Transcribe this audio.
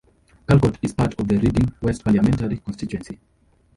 Calcot is part of the Reading West parliamentary constituency.